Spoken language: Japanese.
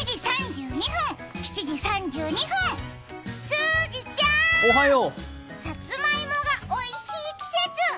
すぎちゃん、さつまいもがおいしい季節！